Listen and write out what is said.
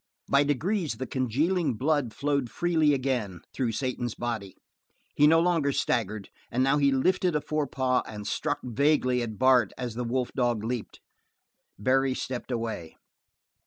By degrees the congealing blood flowed freely again through Satan's body; he no longer staggered; and now he lifted a forepaw and struck vaguely at Bart as the wolf dog leaped. Barry stepped away.